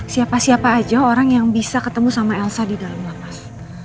siapa siapa aja orang yang bisa ketemu sama elsa di dalam lapas